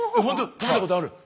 食べたことある？